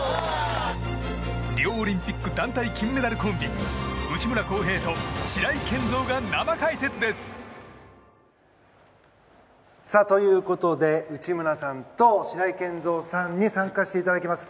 リオオリンピック団体金メダルコンビ内村航平と白井健三が生解説です。ということで内村さんと白井健三さんに参加していただきます。